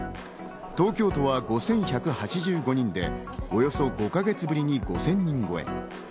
東京都は５１８５人でおよそ５か月ぶりに５０００人超え。